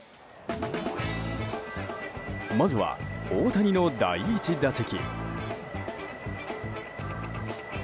まずは、大谷の第１打席。